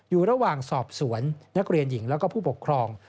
อยู่ระหว่างสอบสวนนักเรียนหญิงแล้วก็ผู้ปกครอง